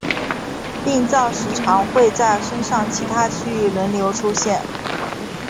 病灶时常会在身上其他区域轮流出现。